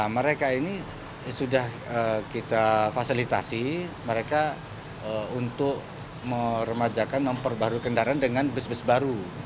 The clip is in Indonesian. mereka ini sudah kita fasilitasi mereka untuk meremajakan memperbarui kendaraan dengan bus bus baru